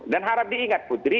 dan harap diingat putri